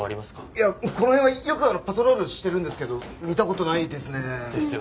いやこの辺はよくパトロールしてるんですけど見た事ないですね。ですよね。